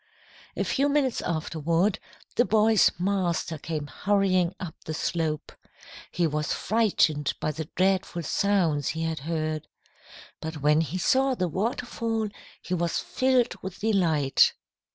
"A few minutes afterward, the boy's master came hurrying up the slope. He was frightened by the dreadful sounds he had heard. But when he saw the waterfall, he was filled with delight.